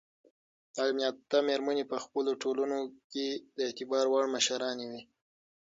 تعلیم یافته میرمنې په خپلو ټولنو کې د اعتبار وړ مشرانې وي.